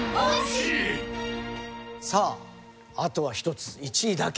さああとは１つ１位だけ。